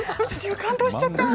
感動しちゃった。